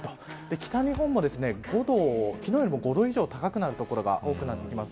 北日本も昨日より５度以上高くなる所があります。